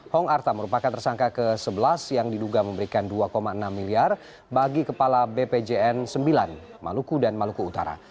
hong arta merupakan tersangka ke sebelas yang diduga memberikan dua enam miliar bagi kepala bpjn sembilan maluku dan maluku utara